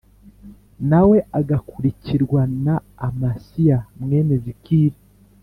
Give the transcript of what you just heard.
Na we agakurikirwa na Amasiya mwene Zikiri